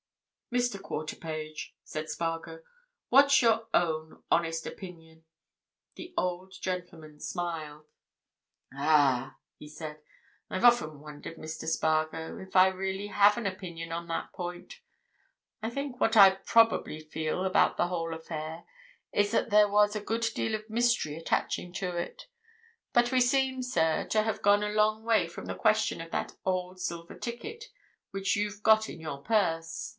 "Mr. Quarterpage," said Spargo, "what's your own honest opinion?" The old gentleman smiled. "Ah!" he said. "I've often wondered, Mr. Spargo, if I really have an opinion on that point. I think that what I probably feel about the whole affair is that there was a good deal of mystery attaching to it. But we seem, sir, to have gone a long way from the question of that old silver ticket which you've got in your purse.